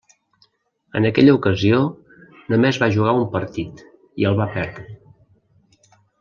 En aquella ocasió, només va jugar un partit i el va perdre.